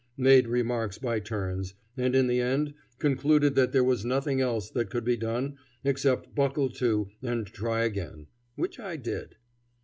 made remarks by turns, and in the end concluded that there was nothing else that could be done except buckle to and try again; which I did.